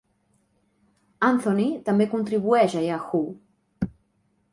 Anthony també contribueix a Yahoo!